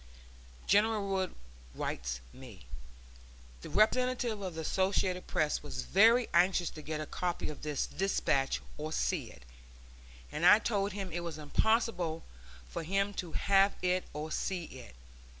[*] General Wood writes me: "The representative of the Associated Press was very anxious to get a copy of this despatch or see it, and I told him it was impossible for him to have it or see it.